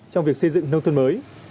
trong việc xây dựng nông thôn mới